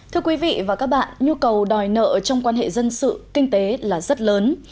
thưa quý vị và các bạn nhu cầu đòi nợ trong quan hệ dân sự kinh tế là rất lớn